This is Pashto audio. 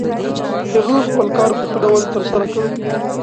هغه خپل کار په ښه ډول ترسره کړ.